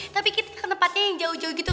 tapi kita ke tempatnya yang jauh jauh gitu